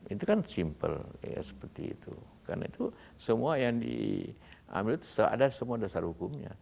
itu kan simpel seperti itu karena itu semua yang diambil itu ada semua dasar hukumnya